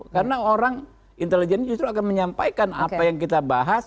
karena orang intelijen justru akan menyampaikan apa yang kita bahas